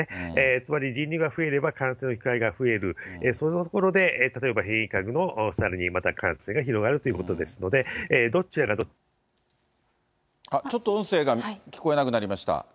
つまり、人流が増えれば感染の機会が増える、そのところで例えば変異株のさらにまた感染が広がるということですので、ちょっと音声が聞こえなくなりました。